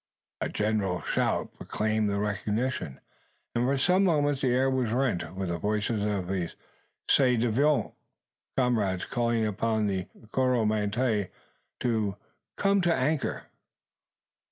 A general shout proclaimed the recognition; and for some moments the air was rent with the voices of his ci devant comrades calling upon the Coromantee to "come to an anchor."